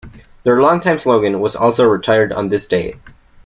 Their longtime slogan was also retired on this date.